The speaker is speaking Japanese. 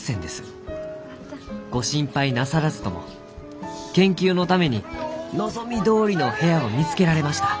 ご心配なさらずとも研究のために望みどおりの部屋を見つけられました。